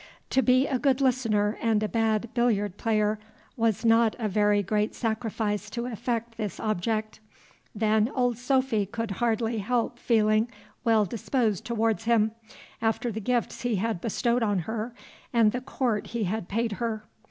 To be a good listener and a bad billiard player was not a very great sacrifice to effect this object. Then old Sophy could hardly help feeling well disposed towards him, after the gifts he had bestowed on her and the court he had paid her.